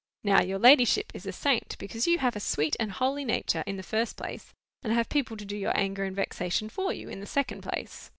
Now, your ladyship is a saint, because you have a sweet and holy nature, in the first place; and have people to do your anger and vexation for you, in the second place.